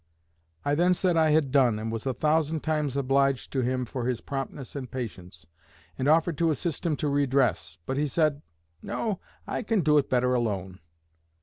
I then said I had done, and was a thousand times obliged to him for his promptness and patience, and offered to assist him to re dress, but he said, 'No, I can do it better alone.'